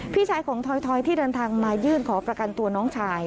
พี่ชายของถอยที่เดินทางมายื่นขอประกันตัวน้องชาย